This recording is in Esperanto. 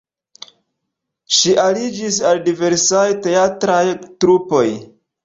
Ŝi aliĝis al diversaj teatraj trupoj.